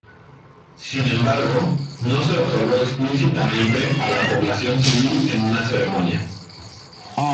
Sin embargo, no se otorgó explícitamente a la población civil en una ceremonia.